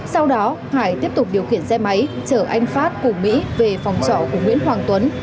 sau đó hải tiếp tục điều khiển xe máy chở anh phát cùng mỹ về phòng trọ của nguyễn hoàng tuấn